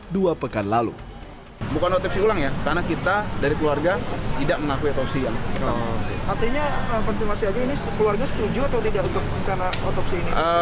dua pekan lalu bukan otopsi ulang ya karena kita dari keluarga tidak menakutkan siang artinya